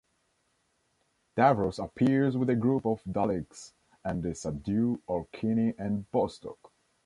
Davros appears with a group of Daleks, and they subdue Orcini and Bostock.